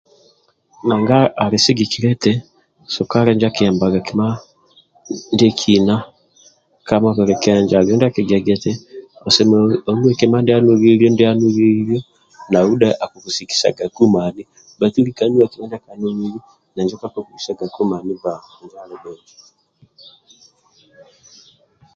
Nanga ali sigikilia eti sukali injo akiyambaga kima ndiekina ka mubili kenjo nanga alibe ndia ahigiaga eti onuwe kima manulilia ndia anulilio ndia anulilio nau dhe akukusikisagaku mani bhaitu lika nuwa kima ndia ka nulilili kakukusikisagaku mani bba